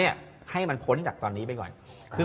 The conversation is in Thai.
ให้มันพ้นจากตอนนี้ไปก่อน